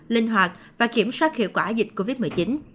linh hoạt và kiểm soát hiệu quả dịch covid một mươi chín